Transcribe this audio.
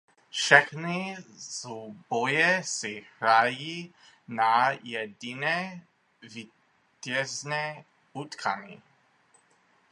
Všechny souboje se hrají na jediné vítězné utkání.